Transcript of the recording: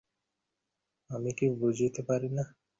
শচীশ কহিল, ন্যায়ের তর্ক রাখো।